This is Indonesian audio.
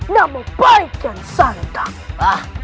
nama baik kian santak